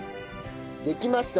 できました。